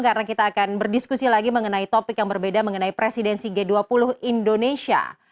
karena kita akan berdiskusi lagi mengenai topik yang berbeda mengenai presidensi g dua puluh indonesia